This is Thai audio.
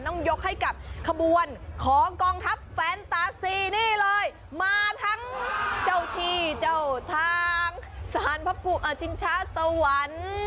ต้องยกกับขบวนเกลมมาทั้งเจ้าที่เจ้าทางสารพะภูมิจิงชะตะวัน